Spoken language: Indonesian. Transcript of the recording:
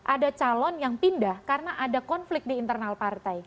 ada calon yang pindah karena ada konflik di internal partai